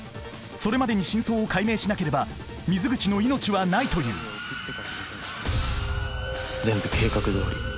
それまでに真相を解明しなければ水口の命はないという全部計画どおり。